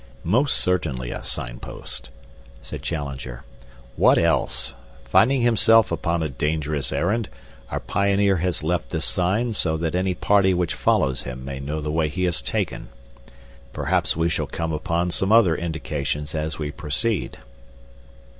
"Most certainly a sign post," said Challenger. "What else? Finding himself upon a dangerous errand, our pioneer has left this sign so that any party which follows him may know the way he has taken. Perhaps we shall come upon some other indications as we proceed."